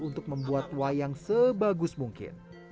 untuk membuat wayang sebagus mungkin